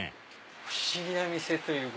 不思議な店というか。